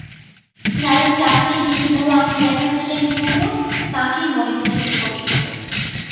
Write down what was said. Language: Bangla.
স্নায়ুর চাপকে যিনি বুড়ো আঙুল দেখাচ্ছিলেন নিয়মিত, তাঁকেই মনে হচ্ছে বিপর্যস্ত।